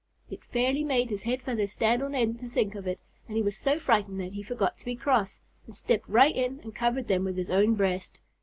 It fairly made his head feathers stand on end to think of it, and he was so frightened that he forgot to be cross, and stepped right in and covered them with his own breast.